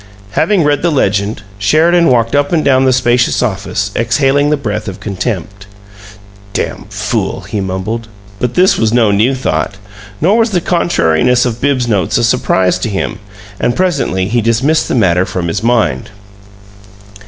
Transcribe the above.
Having read the legend, Sheridan walked up and down the spacious office, exhaling the breath of contempt. "Dam' fool!" he mumbled. But this was no new thought, nor was the contrariness of Bibbs's notes a surpise to him; and presently he dismissed the matter from his mind.